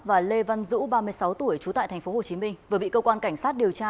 và lê văn dũ ba mươi sáu tuổi trú tại tp hcm vừa bị cơ quan cảnh sát điều tra